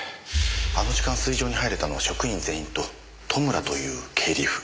あの時間炊場に入れたのは職員全員と戸村という経理夫。